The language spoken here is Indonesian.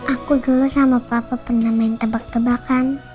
aku dulu sama papa pernah main tebak tebakan